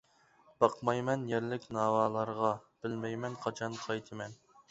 باقمايمەن يەرلىك ناۋالارغا، بىلمەيمەن قاچان قايتىمەن.